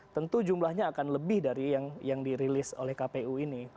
tentu jumlahnya akan lebih dari yang dirilis oleh kpu ini